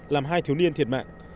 làm hai thiếu niên thiệt mạng